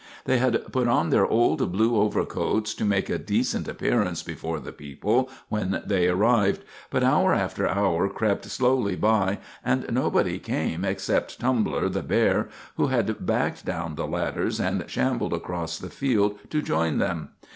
They had put on their old blue overcoats, to make a decent appearance before the people when they arrived; but hour after hour crept slowly by, and nobody came except Tumbler, the bear, who had backed down the ladders and shambled across the field to join them.